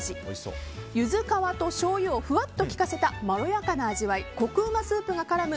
ゆず皮としょうゆをふわっときかせたまろやかな味わいコク旨スープがからむ